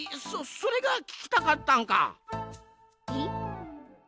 そそれがききたかったんか。